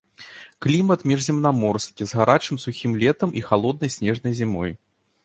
Клімат міжземнаморскі з гарачым сухім летам і халоднай снежнай зімой.